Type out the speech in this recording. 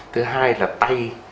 thứ hai là tay